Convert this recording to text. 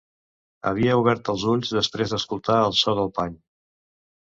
Havia obert els ulls després d'escoltar el so del pany.